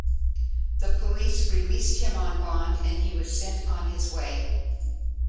The police released him on bond and he was sent on his way.